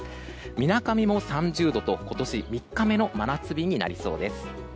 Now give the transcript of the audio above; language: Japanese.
みなかみも３０度と今年３日目の真夏日となりそうです。